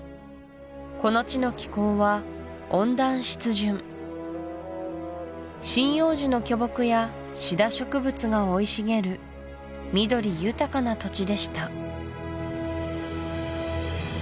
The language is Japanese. この地の気候は温暖湿潤針葉樹の巨木やシダ植物が生い茂る緑豊かな土地でした